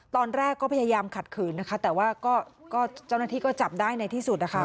ตอนแรกก็พยายามขัดขืนนะคะแต่ว่าก็เจ้าหน้าที่ก็จับได้ในที่สุดนะคะ